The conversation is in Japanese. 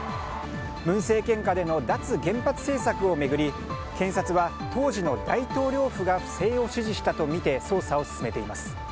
文政権下での脱原発政策を巡り検察は、当時の大統領府が不正を指示したとみて捜査を進めています。